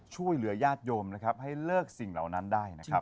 ช่วยเหลือญาติโยมนะครับให้เลิกสิ่งเหล่านั้นได้นะครับ